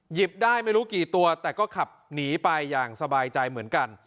หยิบได้ไม่รู้กี่ตัวแต่ก็ขับหนีไปอย่างสบายใจเหมือนกัน